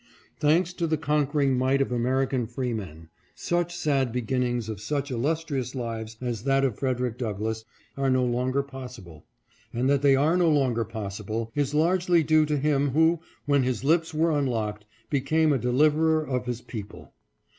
Thanks to the conquering might of American freemen, such sad beginnings of such illustrious lives as that of Frederick Douglass are no longer possible ; and that they are no longer possible, is largely due to him who, when his lips were un locked, became a deliverer of his people.